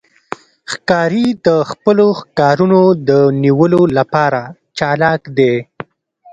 ښکاري د خپلو ښکارونو د نیولو لپاره چالاک دی.